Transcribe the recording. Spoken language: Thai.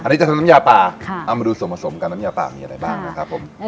อันนี้จะทำน้ำยาป่าเอามาดูส่วนผสมกันน้ำยาป่ามีอะไรบ้างนะครับผม